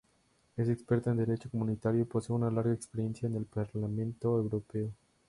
Es experta en Derecho Comunitario y posee una larga experiencia en el Parlamento Europeo.